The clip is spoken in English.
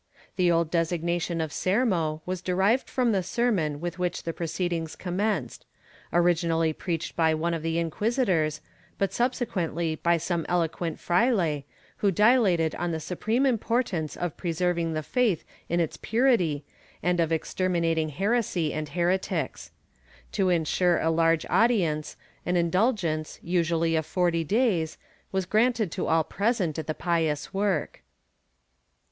'' The old designation of Sermo was derived from the sermon with which the proceedings commenced — originally preached by one of the inquisitors, but subsequently by some eloquent fraile, who dilated on the supreme importance of preserving the faith in its purity and of extermi nating heresy and heretics. To insure a large attendance, an indul gence, usually of forty days, was granted to all present at the pious work.